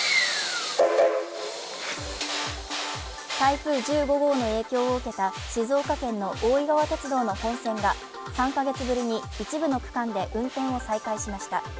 台風１５号の影響を受けた静岡県の大井川鉄道の本線が３か月ぶりに一部の区間で運転を再開しました